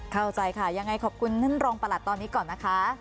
เข้าใจค่ะยังไงขอบคุณท่านรองประหลัดตอนนี้ก่อนนะคะ